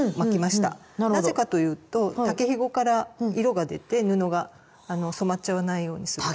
なぜかというと竹ひごから色が出て布が染まっちゃわないようにするために。